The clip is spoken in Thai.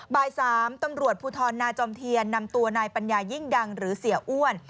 บ่าย๓ตำรวจภูทรนาจอมเทียนนำตัวนายปัญญายิ่งดังหรือเสียอ้วน